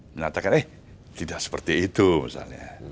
menyatakan eh tidak seperti itu misalnya